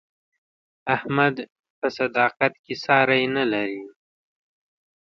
احمد په صداقت کې ساری نه لري.